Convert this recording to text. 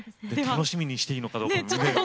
楽しみにしていいのかどうかもね。